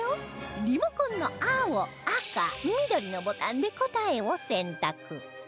リモコンの青赤緑のボタンで答えを選択